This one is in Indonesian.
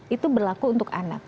itu berlaku untuk anak